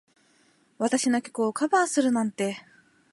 私の曲をカバーするなんて。